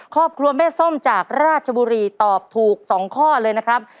ครอบครัวแม่ส้มจากราชบุรีตอบถูก๒ข้อเลยนะครับ